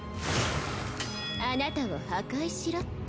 あなたを破壊しろって。